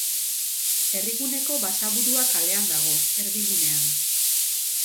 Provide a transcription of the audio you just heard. Herriguneko Basaburua Kalean dago, erdigunean.